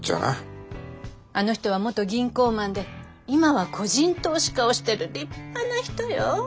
あの人は元銀行マンで今は個人投資家をしてる立派な人よ。